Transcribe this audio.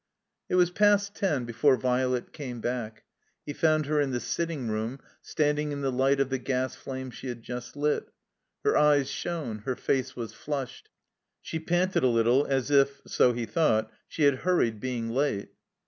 It was past ten before Violet came back. He fotmd her in the sitting room, standing in the light of the gas flame she had just lit. Her eyes shone; her face was flushed. She panted a little as if (so he thought) she had hurried, being late.